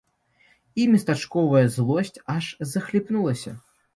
І местачковая злосць аж захліпнулася.